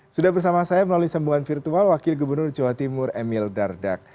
sudah bersama saya melalui sambungan virtual wakil gubernur jawa timur emil dardak